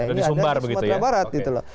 yang ada di sumatera barat